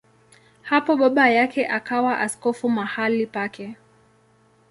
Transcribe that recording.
Hapo baba yake akawa askofu mahali pake.